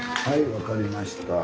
はい分かりました。